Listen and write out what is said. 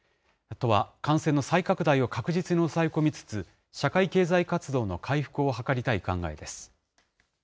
都は、感染の再拡大を確実に抑え込みつつ、社会経済活動の回復を図りたい考えです。